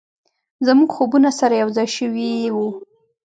زموږ خوبونه سره یو ځای شوي و،